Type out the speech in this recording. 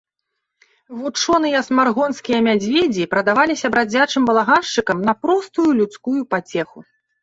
Вучоныя смаргонскія мядзведзі прадаваліся брадзячым балаганшчыкам на простую людскую пацеху.